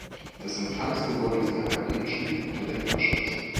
Das Empfangsgebäude ist erhalten und steht unter Denkmalschutz.